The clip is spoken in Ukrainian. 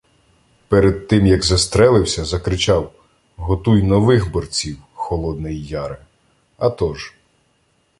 Перед тим як застрелився, закричав: "Готуй нових борців, Холодний Яре!" Атож.